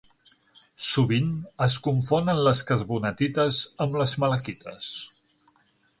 Sovint es confonen les carbonatites amb les malaquites.